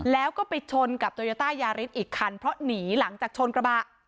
แล้วก็ไปชนกับโตโยต้ายาริสอีกคันเพราะหนีหลังจากชนกระบะ